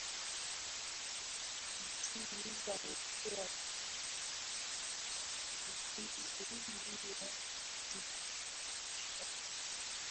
karantini za watu waliombukizwa virusi vya ziliznzishwa